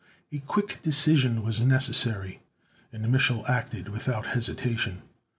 ]A quick decision was necessary, and Mich'l acted without hesitation.